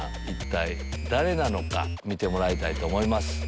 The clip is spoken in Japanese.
一体誰なのか見てもらいたいと思います。